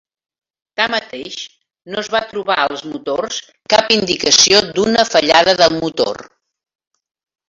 Tanmateix, no es va trobar als motors cap indicació d'una fallada del motor.